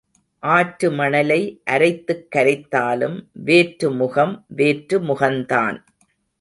ஆற்று மணலை அரைத்துக் கரைத்தாலும் வேற்று முகம் வேற்று முகந்தான்.